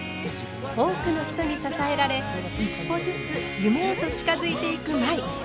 多くの人に支えられ一歩ずつ夢へと近づいていく舞。